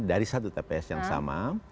dari satu tps yang sama